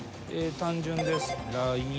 単純です。